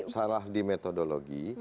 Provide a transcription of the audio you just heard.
salah di metodologi